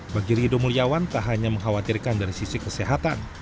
bagi rido muliawan tak hanya mengkhawatirkan dari sisi kesehatan